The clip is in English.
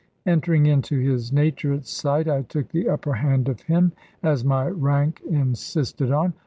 Entering into his nature at sight, I took the upper hand of him, as my rank insisted on.